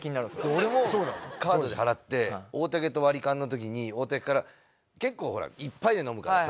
俺もカードで払って大竹と割り勘の時に大竹から結構いっぱいで飲むからさ